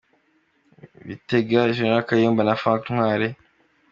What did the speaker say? Bitega, Gen. Kayumba na Frank Ntwali